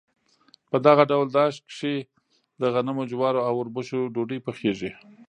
په دغه ډول داش کې د غنمو، جوارو او اوربشو ډوډۍ پخیږي.